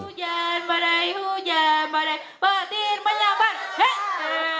hujan padai hujan padai petir menyambar